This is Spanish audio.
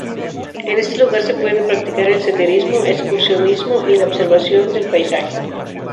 En este lugar se pueden practicar el senderismo, excursionismo y la observación del paisaje.